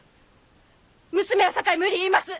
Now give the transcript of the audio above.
娘やさかい無理言います！